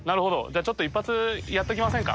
じゃあ一発やっときませんか？